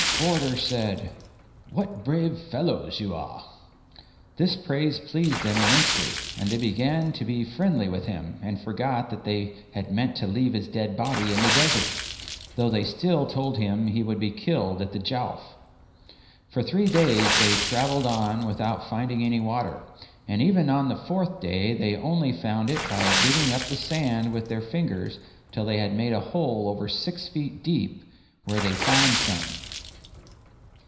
Forder said, "What brave fellows you are!" This praise pleased them immensely, and they began to be friendly with him, and forgot that they had meant to leave his dead body in the desert, though they still told him he would be killed at the Jowf. For three days they travelled on without finding any water, and even on the fourth day they only found it by digging up the sand with their fingers till they had made a hole over six feet deep where they found some.